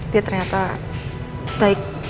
dia ternyata baik